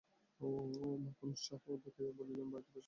মাখন উৎসাহ দেখাইয়া বলিলেন, বাড়িতে বেশ ভালোরকম একটা অতিথিশালা খোলা চাই।